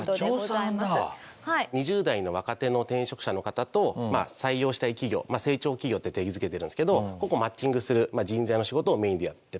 ２０代の若手の転職者の方と採用したい企業成長企業って定義づけてるんですけどここをマッチングする人材の仕事をメインでやってます。